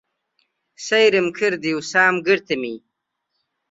سەیرم کردی و سام گرتمی.